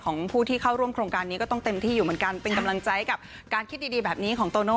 ของผู้ที่เข้าร่วมโครงการนี้ก็ต้องเต็มที่อยู่เหมือนกันเป็นกำลังใจกับการคิดดีแบบนี้ของโตโน่